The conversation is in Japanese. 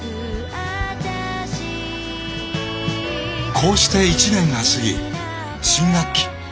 こうして１年が過ぎ新学期。